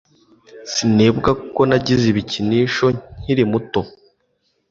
Sinibuka ko nagize ibikinisho nkiri muto